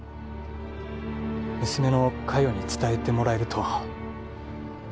娘の嘉代に伝えてもらえると。